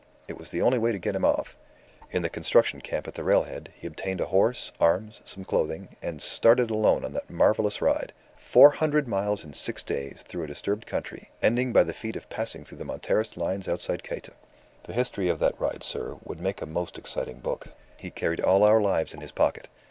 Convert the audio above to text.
It was the only way to get him off. In the Construction Camp at the railhead, he obtained a horse, arms, some clothing, and started alone on that marvellous ride four hundred miles in six days, through a disturbed country, ending by the feat of passing through the Monterist lines outside Cayta. The history of that ride, sir, would make a most exciting book. He carried all our lives in his pocket.